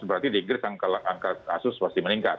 berarti di inggris angka kasus pasti meningkat